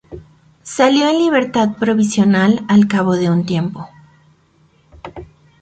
Salió en libertad provisional al cabo de un tiempo.